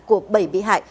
của bảy bị hại